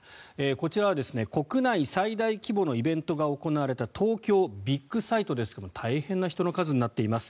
こちらは国内最大規模のイベントが行われた東京ビッグサイトですけれども大変な人の数になっています。